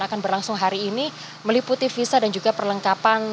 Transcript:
akan berlangsung hari ini meliputi visa dan juga perlengkapan